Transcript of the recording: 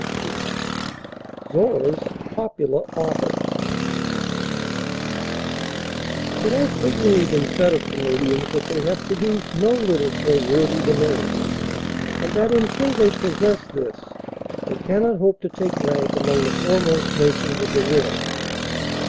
("RALPH CONNOR") ZORRA'S POPULAR AUTHOR It has frequently been said of Canadians that they have produced no literature worthy the name, and that until they possess this, they cannot hope to take rank among the foremost nations of the world.